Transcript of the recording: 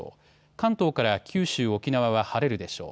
関東から九州、沖縄は晴れるでしょう。